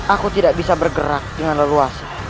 aku tidak bisa bergerak dengan leluasa